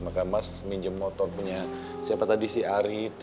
maka mas minjem motor punya siapa tadi si ari